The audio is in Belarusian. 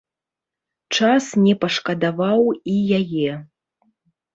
Час не пашкадаваў і яе.